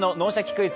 クイズ」